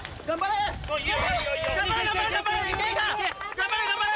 ・頑張れ頑張れ。